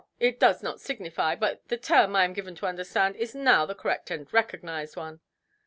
It does not signify. But the term, I am given to understand, is now the correct and recognised one".